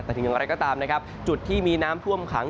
แต่ถึงอย่างไรก็ตามนะครับจุดที่มีน้ำท่วมขัง